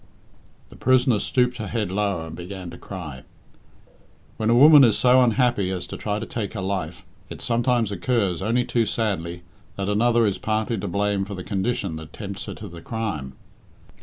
The prisoner stooped her head lower and began to cry. "When a woman is so unhappy as to try to take her life, it sometimes occurs, only too sadly, that another is partly to blame for the condition that tempts her to the crime."